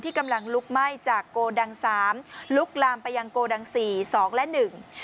กำลังลุกไหม้จากโกดังสามลุกลามไปยังโกดังสี่สองและหนึ่ง